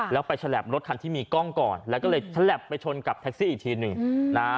แล้วไปแชลปรถที่มีกล้องก่อนแล้วก็เลยแชลปไปชนกับแท็กซี่อีกทีหนึ่ง